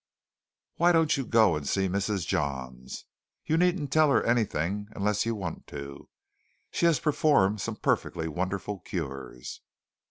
"Why don't you go and see Mrs. Johns? You needn't tell her anything unless you want to. She has performed some perfectly wonderful cures."